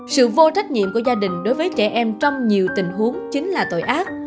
sự vô trách nhiệm của gia đình đối với trẻ em trong nhiều tình huống chính là tội ác